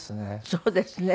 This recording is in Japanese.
そうですね。